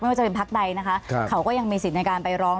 ว่าจะเป็นพักใดนะคะเขาก็ยังมีสิทธิ์ในการไปร้อง